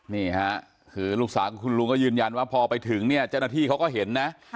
นี่ค่ะคือลูกสาวกับคุณลุงก็ยืนยันว่าพอไปถึงเนี่ยเจ้าหน้าที่เขาก็เห็นนะ